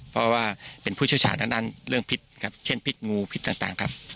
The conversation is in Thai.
เพราะว่าเป็นผู้เชี่ยวชาญด้านเรื่องพิษครับเช่นพิษงูพิษต่างครับ